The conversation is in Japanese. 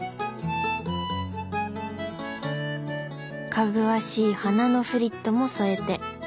かぐわしい花のフリットも添えて。